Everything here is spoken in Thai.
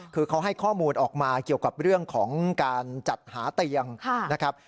คือเขาให้ข้อมูลออกมาเกี่ยวกับเรื่องของการจัดหาเตียงนะครับ